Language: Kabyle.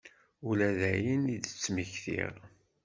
Ula dayen i d-ttmektiɣ.